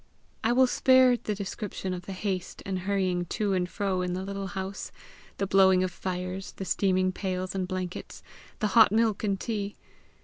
I will spare the description of the haste and hurrying to and fro in the little house the blowing of fires, the steaming pails and blankets, the hot milk and tea!